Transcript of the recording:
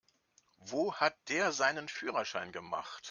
Wo hat der seinen Führerschein gemacht?